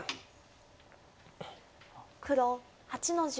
黒８の十。